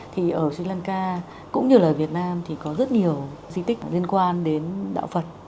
thì ở sri lanka cũng như là việt nam thì có rất nhiều di tích liên quan đến đạo phật